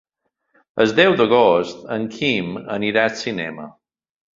El deu d'agost en Quim anirà al cinema.